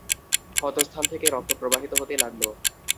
ক্ষত স্থান থেকে রক্ত প্রবাহিত হতে লাগল।